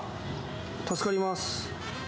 助かります。